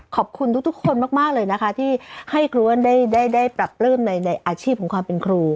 ขอบคุณทุกคนมากเลยนะคะที่ให้ครูอ้วนได้ปรับปลื้มในอาชีพของความเป็นครู